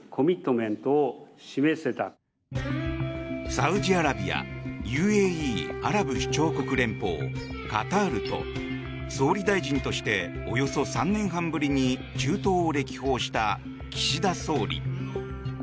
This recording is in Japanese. サウジアラビアＵＡＥ・アラブ首長国連邦カタールと総理大臣としておよそ３年半ぶりに中東を歴訪した岸田総理。